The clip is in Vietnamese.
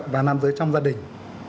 và nam giới trong gia đình